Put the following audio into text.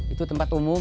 itu tempat umum